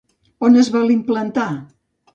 On es vol implantar?